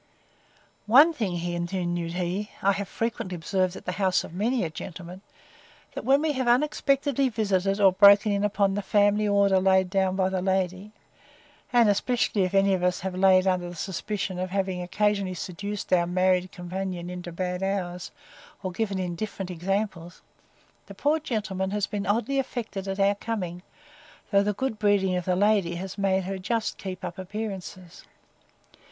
One thing, continued he, I have frequently observed at the house of many a gentleman, That when we have unexpectedly visited, or broken in upon the family order laid down by the lady; and especially if any of us have lain under the suspicion of having occasionally seduced our married companion into bad hours, or given indifferent examples, the poor gentleman has been oddly affected at our coming; though the good breeding of the lady has made her just keep up appearances.